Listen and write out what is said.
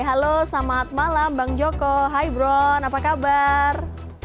halo selamat malam bang joko hai bron apa kabar